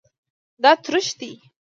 دا تروش دی